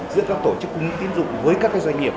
giữa các tổ chức tiến dụng với các doanh nghiệp